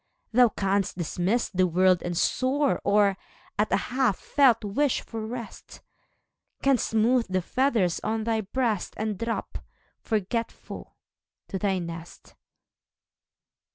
Thou canst dismiss the world and soar, Or, at a half felt wish for rest. Canst smooth the feathers on thy breast, And drop, forgetful, to thy nest.